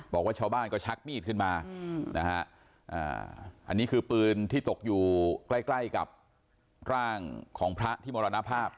บอกว่าชาวบ้านก็ชักมีดขึ้นมานะฮะอันนี้คือปืนที่ตกอยู่ใกล้ใกล้กับร่างของพระที่มรณภาพ